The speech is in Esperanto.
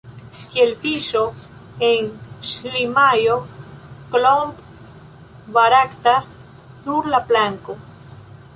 Kiel fiŝo en ŝlimajo Klomp baraktas sur la planko.